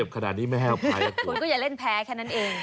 คุณก็อย่าเล่นแพ้แค่นั้นเอง